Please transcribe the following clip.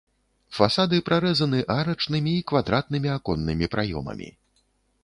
Фасады прарэзаны арачнымі і квадратнымі аконнымі праёмамі.